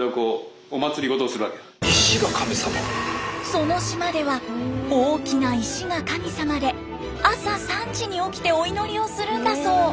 その島では大きな石が神様で朝３時に起きてお祈りをするんだそう。